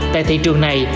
tại thị trường này